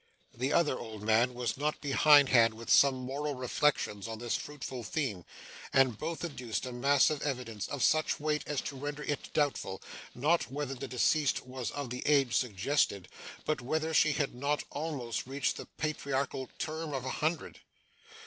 The other old man was not behindhand with some moral reflections on this fruitful theme, and both adduced a mass of evidence, of such weight as to render it doubtful not whether the deceased was of the age suggested, but whether she had not almost reached the patriarchal term of a hundred.